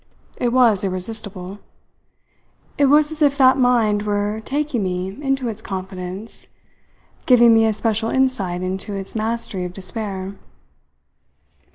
It was irresistible. It was as if that mind were taking me into its confidence, giving me a special insight into its mastery of despair.